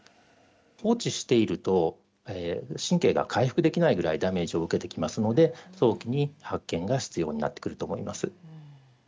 放置していると神経が回復できないぐらいダメージを受けてきますので早期に発見が必要になってくると思います。